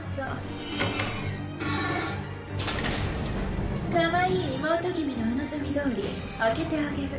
ガチャかわいい妹君のお望みどおり開けてあげる。